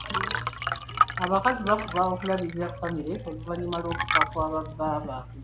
Abakazi bafuba okulabirira famire oluvanyuma lw'okufa kwa ba bba baabwe.